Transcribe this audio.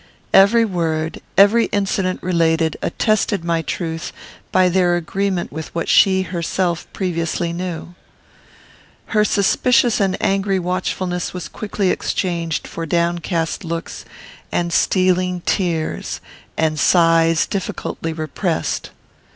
Every word, every incident related, attested my truth, by their agreement with what she herself previously knew. Her suspicious and angry watchfulness was quickly exchanged for downcast looks, and stealing tears, and sighs difficultly repressed.